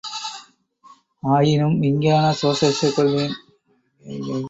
ஆயினும் விஞ்ஞான சோஷலிஸக் கொள்கையின் முதல்வர்களுக்கு, பிற்கால நாத்திகவாதிகளின் கொள்கைகள்கூட திருப்தியளிக்கவில்லை.